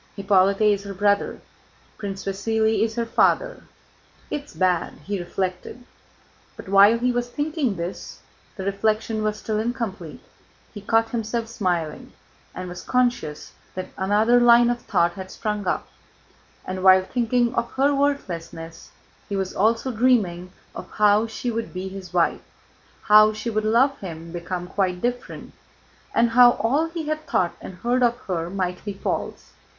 Hippolyte is her brother... Prince Vasíli is her father... It's bad...." he reflected, but while he was thinking this (the reflection was still incomplete), he caught himself smiling and was conscious that another line of thought had sprung up, and while thinking of her worthlessness he was also dreaming of how she would be his wife, how she would love him become quite different, and how all he had thought and heard of her might be false.